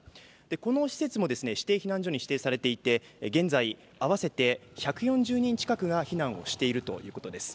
この施設も指定避難所に指定されていて現在合わせて１４０人近くが避難をしているということです。